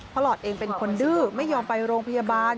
หลอดเองเป็นคนดื้อไม่ยอมไปโรงพยาบาล